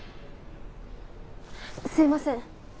すいません